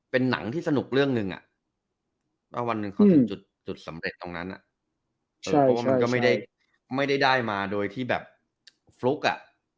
เป็นหนังที่สนุกเรื่องนึงว่าวันนั้นเขาจะจุดสำเร็จตรงนั้นเออใช่แต่ว่ามันก็ไม่ได้ได้มาโดยที่บรรโฟล์กอะ